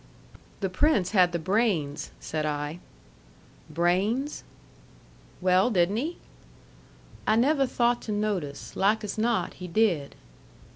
"The Prince had the brains," said I. "Brains?" "Well, didn't he?" "I neveh thought to notice. Like as not he did."